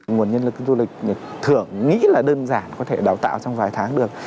nguồn nhân lực du lịch thường nghĩ là đơn giản có thể đào tạo trong vài năm